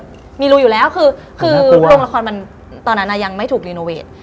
ยังมีรูอยู่แล้วคือโรงราคาร่งตอนนั้นยังไม่ถูกสร้าง